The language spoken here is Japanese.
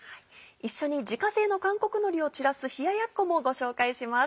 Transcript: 一緒に自家製の韓国のりを散らす冷ややっこもご紹介します。